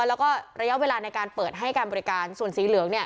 แล้วก็ระยะเวลาในการเปิดให้การบริการส่วนสีเหลืองเนี่ย